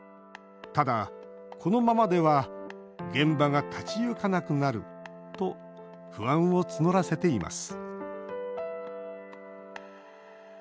ただ、このままでは現場が立ち行かなくなると不安を募らせています